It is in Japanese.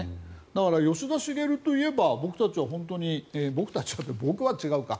だから吉田茂といえば僕たちは本当に僕たちはというか僕は違うか。